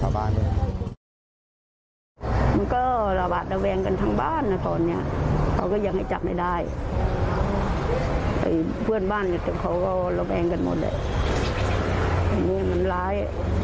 มุมมันร้ายใครบอกงามก็ไม่ได้ไทย